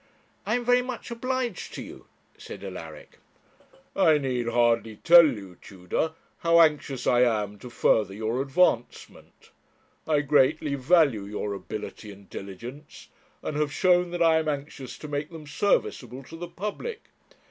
'I am very much obliged to you,' said Alaric. 'I need hardly tell you, Tudor, how anxious I am to further your advancement. I greatly value your ability and diligence, and have shown that I am anxious to make them serviceable to the public.'